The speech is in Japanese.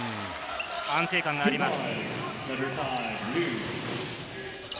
安定感があります。